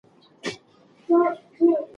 شعر د ټولنې تاریخ منعکسوي.